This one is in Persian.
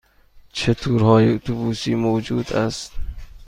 چه تورهای اتوبوسی موجود است؟